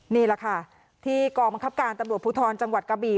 นี่แหละค่ะที่กองบังคับการตำรวจภูทรจังหวัดกะบี่